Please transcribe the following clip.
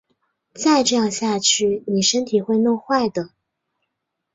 再这样下去妳身体会弄坏的